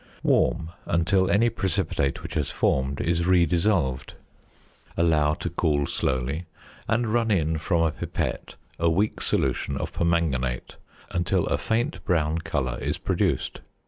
Warm until any precipitate which has formed is redissolved; allow to cool slowly, and run in from a pipette a weak solution of permanganate until a faint brown colour is produced.